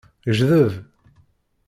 Jdeb.